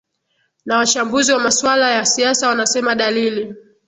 na wachambuzi wa masuala ya siasa wanasema dalili